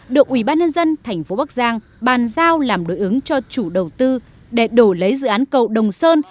được ủy ban nhân dân thành phố bắc giang bàn giao làm đối ứng cho chủ đầu tư để đổi lấy dự án cầu đồng sơn